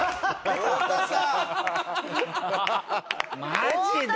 マジで？